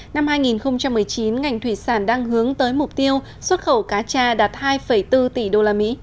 năm hai nghìn một mươi chín ngành thủy sản đang hướng tới mục tiêu xuất khẩu cá cha đạt hai bốn tỷ usd